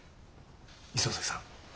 磯崎さん